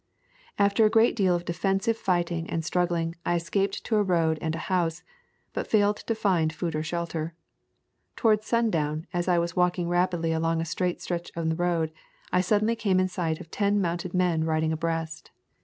After a great deal of defensive fighting and struggling I escaped to a road and a house, but failed to find food or shelter. Towards sun down, as I was walking rapidly along a straight stretch in the road, I suddenly came in sight of ten mounted men riding abreast.